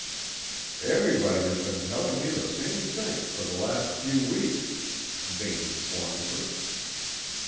"Everybody has been telling me the same thing for the last few weeks," Vane informed her.